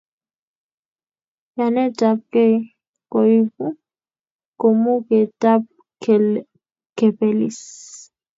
Yanetap kei koipu kamuketap kepelis